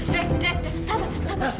dek dek sabar sabar sabar